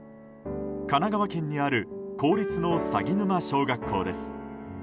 神奈川県にある公立の鷺沼小学校です。